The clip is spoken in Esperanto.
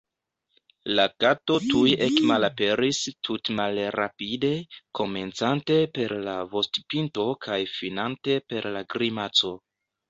La kato tuj ekmalaperis tutmalrapide, komencante per la vostpinto kaj finante per la grimaco.